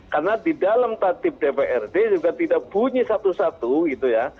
karena di dalam tatib dprd juga tidak bunyi satu satu gitu ya